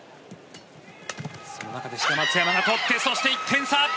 その中で志田・松山が取ってそして１点差！